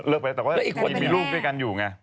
เลิกไปแล้วเดี๋ยวมีลูกด้วยกันอยู่ไง